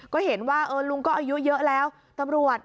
ก็เห็นว่าลุงก็อายุเยอะแล้วตำรวจ